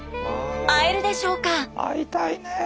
会えるでしょうか？